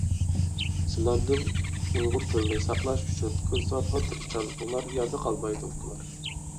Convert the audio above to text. سىلەرنىڭ ، ئۇيغۇر تىلىنى ساقلاش ئۇچۈن كۆرسىتۋاتقان تىرىشچانلىقىڭلار يەردە قالمايدۇ، ئۇكىلار…